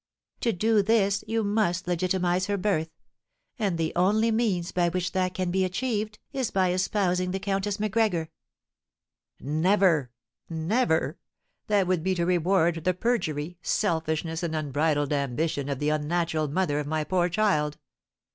To do this you must legitimise her birth, and the only means by which that can be achieved is by espousing the Countess Macgregor." "Never, never! That would be to reward the perjury, selfishness, and unbridled ambition of the unnatural mother of my poor child.